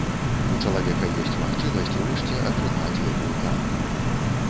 У чалавека ёсць магчымасць у рэшце атрымаць гэтую карту.